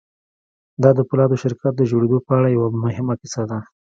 دا د پولادو شرکت د جوړېدو په اړه یوه مهمه کیسه ده